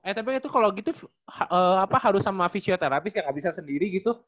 eh tapi itu kalau gitu harus sama fisioterapis ya nggak bisa sendiri gitu